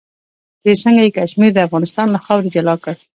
چې څنګه یې کشمیر د افغانستان له خاورې جلا کړ.